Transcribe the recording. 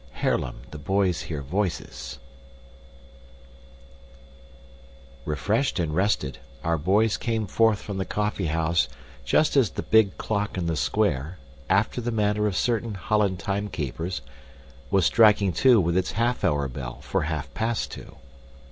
Haarlem The Boys Hear Voices Refreshed and rested, our boys came forth from the coffeehouse just as the big clock in the square, after the manner of certain Holland timekeepers, was striking two with its half hour bell for half past two.